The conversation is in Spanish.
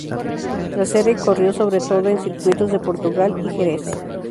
La serie corrió sobre todo en circuitos de Portugal y Jerez.